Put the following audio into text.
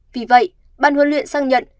vì vậy ban huấn luyện xác nhận